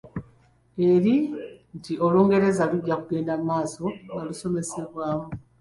Era nti Olungereza lujja kugenda mu maaso nga lusomesebwamu.